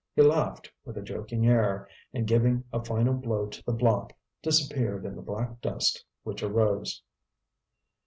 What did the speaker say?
He laughed, with a joking air, and, giving a final blow to the block, disappeared in the black dust which arose.